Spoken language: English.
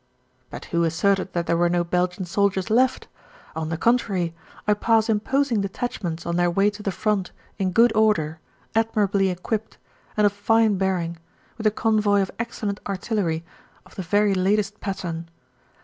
But who asserted that there were no Belgian soldiers left! On the contrary, I pass imposing detachments on their way to the front, in good order, admirably equipped, and of fine bearing, with a convoy of excellent artillery of the very latest pattern.